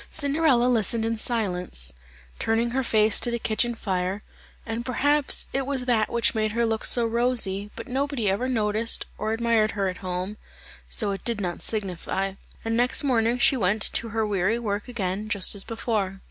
Cinderella listened in silence, turning her face to the kitchen fire, and perhaps it was that which made her look so rosy, but nobody ever noticed or admired her at home, so it did not signify, and next morning she went to her weary work again just as before.